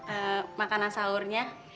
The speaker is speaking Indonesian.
eee makanan saurnya